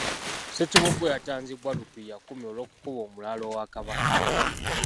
Ssekiboobo yatanzibwa Rupia kkumi olw'okukuba omulaalo wa Kabaka.